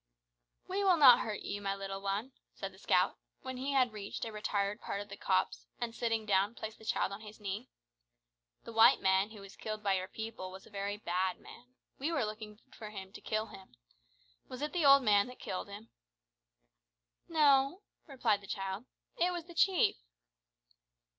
"We will not hurt you, my little one," said the scout, when he had reached a retired part of the copse, and, sitting down, placed the child on his knee. "The white man who was killed by your people was a very bad man. We were looking for him to kill him. Was it the old man that killed him?" "No," replied the child, "it was the chief."